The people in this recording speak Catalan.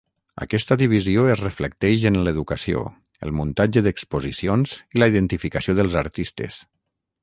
Aquesta divisió es reflecteix en l'educació, el muntatge d'exposicions i la identificació dels artistes.